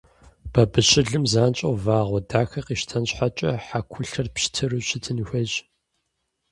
Бабыщылым занщӀэу вэгъу дахэ къищтэн щхьэкӀэ, хьэкулъэр пщтыру щытын хуейщ.